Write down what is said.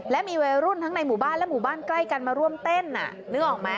และมีวัยรุ่นทั้งในหมู่บ้านและหมู่บ้านใกล้กันมาร่วมเต้นนึกออกไหม